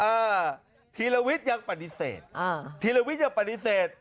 อ่าธีรวิชยังปฏิเสธธีรวิชยังปฏิเสธ